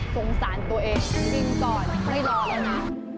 สงสารตัวเองกินก่อนไม่รอแล้วนะ